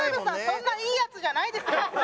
そんないいヤツじゃないですよ。